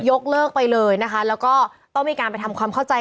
ยกเลิกไปเลยนะคะแล้วก็ต้องมีการไปทำความเข้าใจ